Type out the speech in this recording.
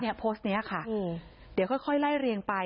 เนี่ยโพสต์เนี่ยค่ะเดี๋ยวค่อยไล่เรียงไป